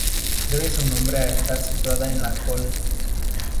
Debe su nombre a estar situada en la Col.